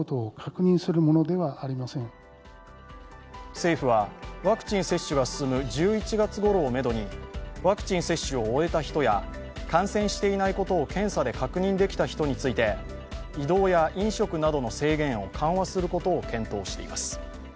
政府は、ワクチン接種が進む１１月ごろをめどにワクチン接種を終えた人や感染していないことを検査で確認できた人について移動や飲食などの制限を緩和することを検討しています。